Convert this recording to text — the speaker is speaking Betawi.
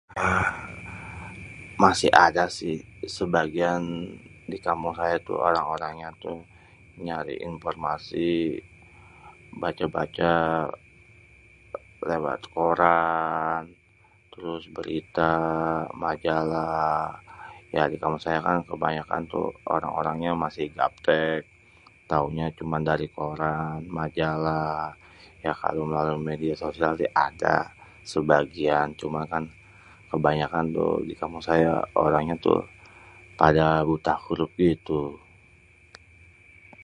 masi adasih sebagian dikampung saya tuh orang nya tuh nyari informasi baca-baca léwat koran terus berita, majalah ya kalo disayakan kebanyakan tuh orang-orangnya tuh masi gapték taunya cuma dari koran majalah ya kalo media sosial si ada sebagian cuma kan kebanyakan tuh dikampung saya orangnya tuh pada buta huruf gitu